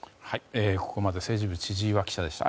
ここまで政治部、千々岩記者でした。